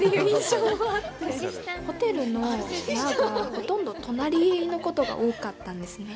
ホテルの部屋がほとんど隣のことが多かったんですね。